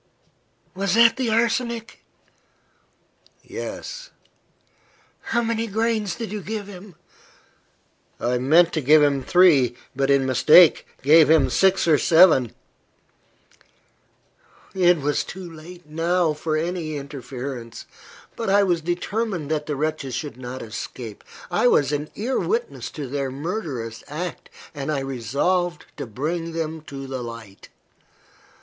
"Was that the arsenic?" "Yes." "How many grains did you give him?" "I meant to give him three, but, in mistake, gave him six or seven." It was too late, now, for any interference. But, I was determined that the wretches should not escape. I was an ear witness to their murderous act, and I resolved to bring them to the light.